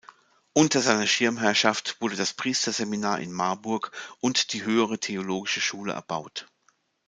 Unter seiner Schirmherrschaft wurde das Priesterseminar in Marburg und die Höhere Theologische Schule erbaut.